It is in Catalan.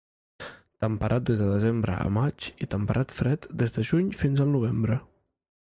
Temperat des de desembre a maig i temperat fred des de juny fins al novembre.